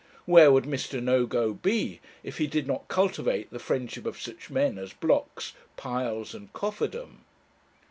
Where would Mr. Nogo be if he did not cultivate the friendship of such men as Blocks, Piles, and Cofferdam?